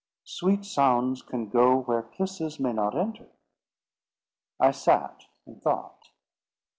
Sweet sounds can go where kisses may not enter. I sat and thought.